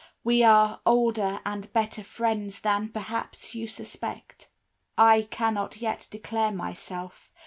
We are older and better friends than, perhaps, you suspect. I cannot yet declare myself.